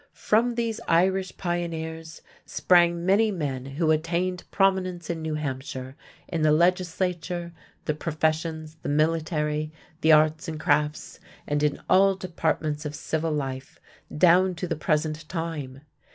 From these Irish pioneers sprang many men who attained prominence in New Hampshire, in the legislature, the professions, the military, the arts and crafts, and in all departments of civil life, down to the present time.